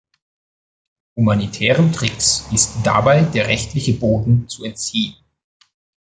Humanitären Tricks ist dabei der rechtliche Boden zu entziehen.